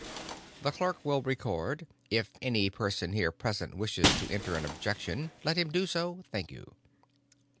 The clerk will record; if any person here present wishes to enter an objection let him do so thank you."